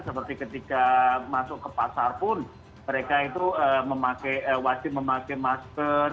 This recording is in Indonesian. seperti ketika masuk ke pasar pun mereka itu wajib memakai masker